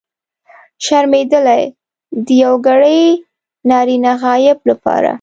شرمېدلی! د یوګړي نرينه غایب لپاره.